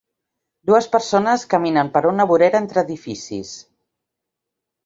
Dues persones caminen per una vorera entre edificis.